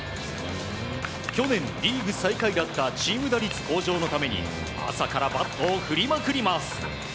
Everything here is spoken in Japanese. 去年、リーグ最下位だったチーム打率向上のために朝からバットを振りまくります。